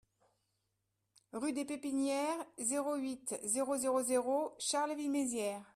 Rue des Pépinières, zéro huit, zéro zéro zéro Charleville-Mézières